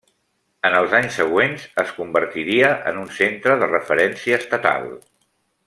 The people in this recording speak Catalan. En els anys següents, es convertiria en un centre de referència estatal.